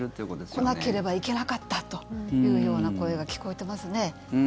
来なければいけなかったというような声が聞こえてますね。